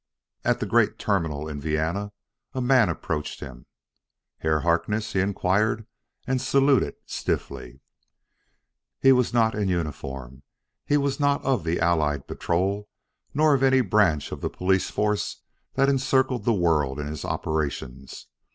At the great terminal in Vienna a man approached him. "Herr Harkness?" he inquired, and saluted stiffly. He was not in uniform. He was not of the Allied Patrol nor of any branch of the police force that encircled the world in its operations.